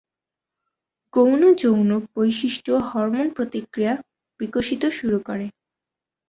গৌণ যৌন বৈশিষ্ট্য হরমোন প্রতিক্রিয়া বিকশিত শুরু করে।